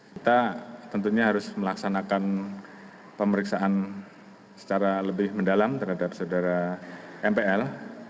kita tentunya harus melaksanakan pemeriksaan secara lebih mendalam terhadap saudara mpl